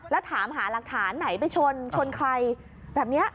แล้วถามหาหลักฐานไหนไปชนชนใครแบบนี้